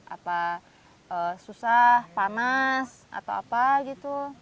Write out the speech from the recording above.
apa susah panas atau apa gitu